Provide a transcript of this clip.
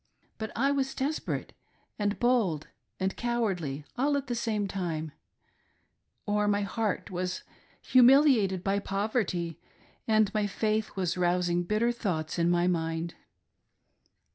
But I was desperate, and bold, and cowardly — all at the same time — or my heart was humil iated by poverty, and my faith was rousing bitter thoughts' in my mind.